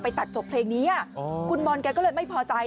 ตัดจบเพลงนี้คุณบอลแกก็เลยไม่พอใจ